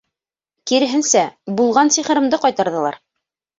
Киреһенсә, булған сихырымды ҡайтарҙылар.